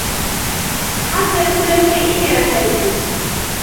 حضّر كلّ شيئ لرحلتي.